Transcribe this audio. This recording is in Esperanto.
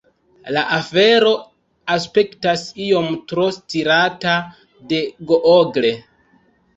La afero aspektas iom tro stirata de Google.